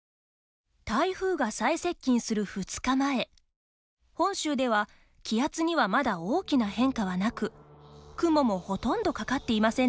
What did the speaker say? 台風が最接近する２日前本州では気圧にはまだ大きな変化はなく、雲もほとんどかかっていませんでした。